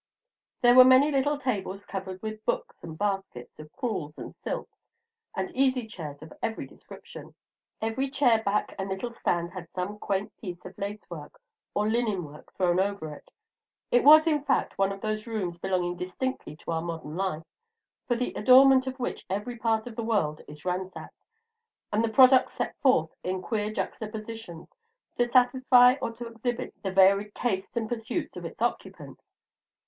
There were many little tables covered with books and baskets of crewels and silks, and easy chairs of every description. Every chair back and little stand had some quaint piece of lace work or linen work thrown over it. It was, in fact, one of those rooms belonging distinctly to our modern life, for the adornment of which every part of the world is ransacked, and their products set forth in queer juxtapositions, to satisfy or to exhibit the varied tastes and pursuits of its occupants.